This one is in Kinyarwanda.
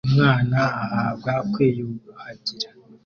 Umwana ahabwa kwiyuhagira